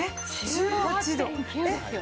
１８．９ですよ。